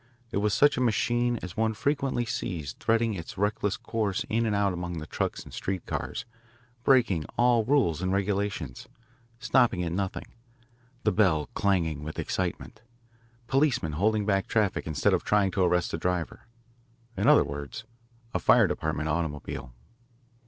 It was such a machine as one frequently sees threading its reckless course in and out among the trucks and street cars, breaking all rules and regulations, stopping at nothing, the bell clanging with excitement, policemen holding back traffic instead of trying to arrest the driver in other words, a Fire Department automobile.